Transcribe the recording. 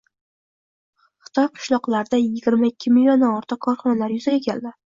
Xitoy qishloqlarida yigirma ikki milliondan oshiq korxonalar yuzaga keldi.